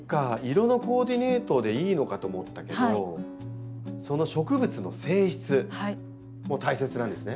色のコーディネートでいいのかと思ったけどその植物の性質も大切なんですね。